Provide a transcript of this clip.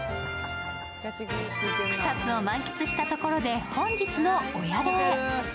草津を満喫したところで本日のお宿へ。